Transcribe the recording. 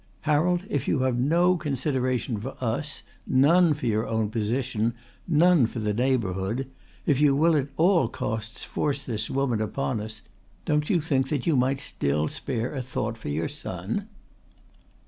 "Harold, if you have no consideration for us, none for your own position, none for the neighbourhood, if you will at all costs force this woman upon us, don't you think that you might still spare a thought for your son?"